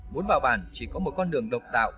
muốn vào bản chỉ có một con đường độc đạo